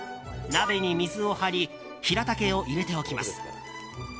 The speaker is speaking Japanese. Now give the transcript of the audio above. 鍋に水を張りヒラタケを入れておきます。